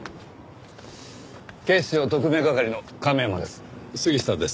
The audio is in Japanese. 警視庁特命係の亀山です。